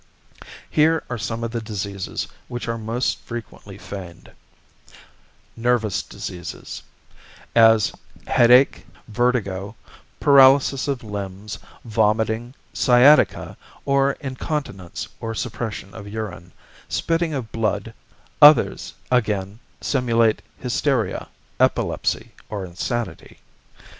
Here are some of the diseases which are most frequently feigned: =Nervous Diseases=, as headache, vertigo, paralysis of limbs, vomiting, sciatica, or incontinence or suppression of urine, spitting of blood; others, again, simulate hysteria, epilepsy, or insanity.